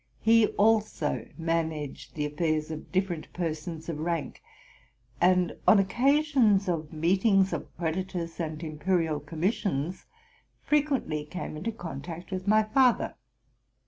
He also managed the affairs of different persons of rank, and on occasions of meetings of creditors and imperial commissions frequently came into contact with my father.